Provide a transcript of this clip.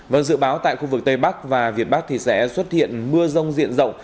vâng dự báo tại khu vực tây bắc và việt bắc thì sẽ xuất hiện mưa rông diện rộng